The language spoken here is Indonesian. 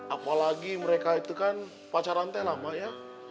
apalagi mereka itu kan pacaran teh lah mah ya